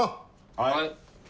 はい。